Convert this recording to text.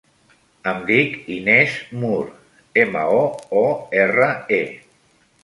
Em dic Inès Moore: ema, o, o, erra, e.